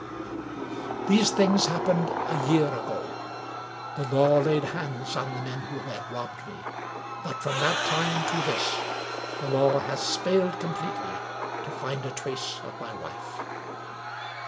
These things happened a year ago. The law laid hands on the men who had robbed me; but from that time to this, the law has failed completely to find a trace of my wife.